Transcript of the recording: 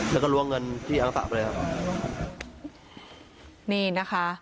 แล้วก็รวมเงินที่อังสะไปเลยอ่ะนี่นะคะ